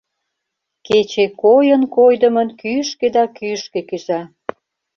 Кече койын-койдымын кӱшкӧ да кӱшкӧ кӱза.